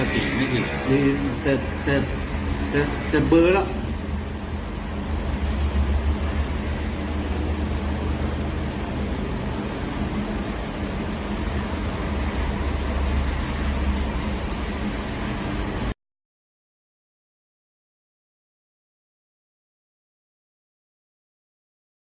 โปรดติดตามตอนต่อไป